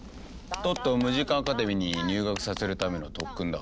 トットをムジカ・アカデミーに入学させるための特訓だ。